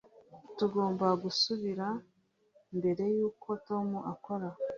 tugomba gusubira mbere yuko tom akora